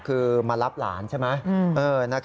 คือมารับหลานใช่ไหม